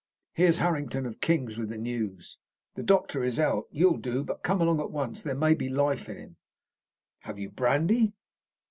Here's Harrington of King's with the news. The doctor is out. You'll do, but come along at once. There may be life in him." "Have you brandy?"